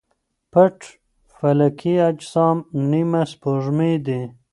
پټ فلکي اجسام نیمه سپوږمۍ دي.